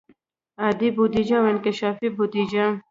عادي بودیجه او انکشافي بودیجه.